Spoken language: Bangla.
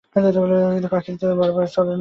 কিন্তু ফাঁকি তো বরাবর চলে না।